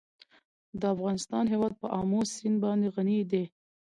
د افغانستان هیواد په آمو سیند باندې غني دی.